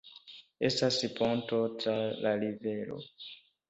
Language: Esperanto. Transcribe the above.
Estas ponto tra la rivero.